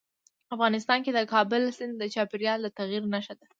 افغانستان کې د کابل سیند د چاپېریال د تغیر نښه ده.